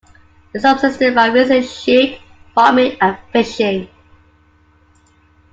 They subsisted by raising sheep, farming and fishing.